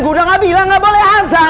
gue udah gak bilang gak boleh azan